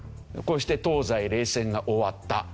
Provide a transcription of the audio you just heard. こうして東西冷戦が終わった。